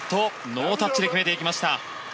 ノータッチで決めていきました。